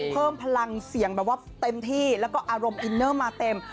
เพิ่มพลังเสียงแบบว่าเต็มที่แล้วก็อารมณ์อินเนอร์มาเต็ม